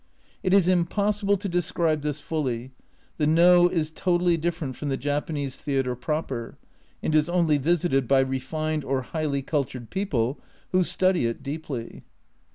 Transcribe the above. It is impossible to describe this fully, the No is totally different from the Japanese theatre proper, and is only visited by refined or highly cultured people, who study it deeply.